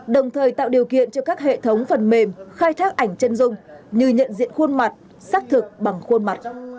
đồng thời tạo điều kiện cho các hệ thống phần mềm khai thác ảnh chân dung như nhận diện khuôn mặt xác thực bằng khuôn mặt